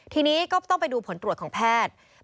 ทีนี้ก็ต้องไปดูผลตรวจของแพทย์